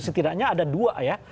setidaknya ada dua ya